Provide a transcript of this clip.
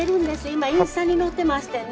今インスタに載ってましてね。